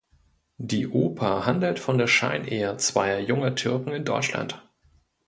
Die Oper handelt von der Scheinehe zweier junger Türken in Deutschland.